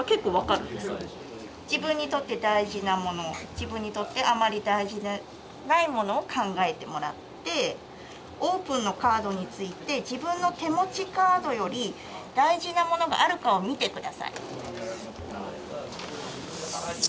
自分にとってあまり大事じゃないものを考えてもらってオープンのカードについて自分の手持ちカードより大事なものがあるかを見て下さい。